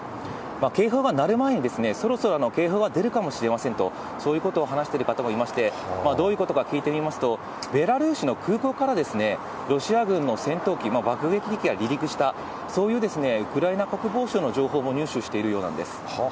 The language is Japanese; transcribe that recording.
警報が鳴る前に、そろそろ警報が出るかもしれませんと、そういうことを話している方もいまして、どういうことか聞いてみますと、ベラルーシの空港からロシア軍の戦闘機、爆撃機が離陸した、そういうウクライナ国防省の情報も入手しているようなんです。